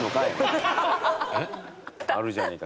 あるじゃねえか。